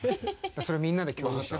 それみんなで共有しよ。